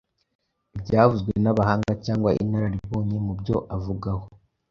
ibyavuzwe n’abahanga cyangwa inararibonye mu byo avugaho.